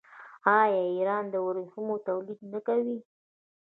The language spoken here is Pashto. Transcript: آیا ایران د ورېښمو تولید نه کوي؟